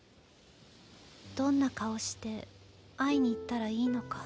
どんな顔して会いに行ったらいいのか。